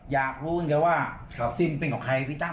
อยากพูดกับค่ะว่าขาวสิ้นเป็นของใครพี่ตั้ม